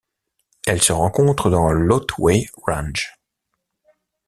Elle se rencontre dans l'Otway Range.